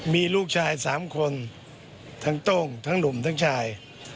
มีลูกชาย๓คนทั้งโต้งทั้งหนุ่มทั้งชาย